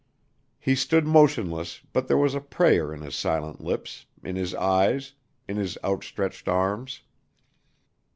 He stood motionless but there was a prayer in his silent lips, in his eyes, in his outstretched arms.